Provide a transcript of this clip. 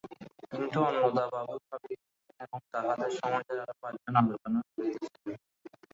কিন্তু অন্নদাবাবু ভাবিতেছিলেন, এবং তাঁহাদের সমাজের আরো পাঁচ জন আলোচনা করিতেছিল।